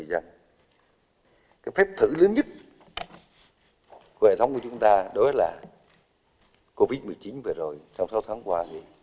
cái phép thử lớn nhất của hệ thống của chúng ta đối với là covid một mươi chín về rồi trong sáu tháng qua